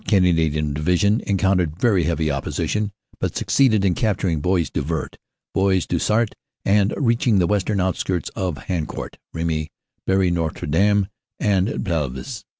Canadian Division encountered very heavy opposition, but succeeded in capturing Bois du Vert, Bois du Sart, and reaching the western outskirts of Haucourt, Remy, Boiry Notre Dame and Pelves.